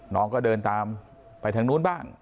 น้องก็เดินตามไปทางนู้นบ้าง